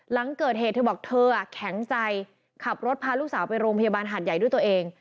หลังเกิดเหตุเธอบอกเธอแข็งใจขับรถพาลูกสาวไปโรงพยาบาลหาดใหญ่ด้วยตัวเอง